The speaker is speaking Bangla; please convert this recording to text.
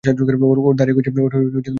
ওর দাড়ি গজিয়েছে।